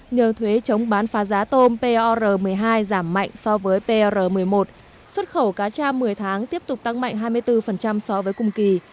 nhờ thuế chống bán phá giá tôm pr một mươi hai giảm mạnh so với pr một mươi một xuất khẩu cá cha một mươi tháng tiếp tục tăng mạnh hai mươi bốn so với cùng kỳ